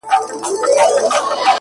زموږه مرديت لکه عادت له مينې ژاړي-